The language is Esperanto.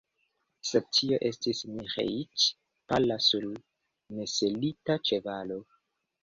Sed tio estis Miĥeiĉ, pala, sur neselita ĉevalo.